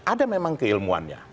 ada memang keilmuannya